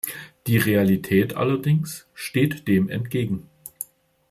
Die Realität allerdings steht dem entgegen.